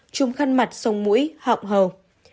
trùng khăn mặt sông mũi họng hầu